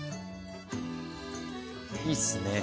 いいですね。